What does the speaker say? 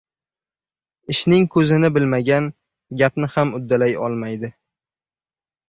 Ishning ko‘zini bilmagan gapni ham uddalay olmaydi.